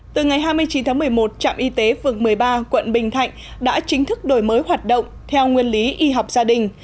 từ ngày hai mươi chín tháng một mươi một trạm y tế phường một mươi ba quận bình thạnh đã chính thức đổi mới hoạt động theo nguyên lý y học gia đình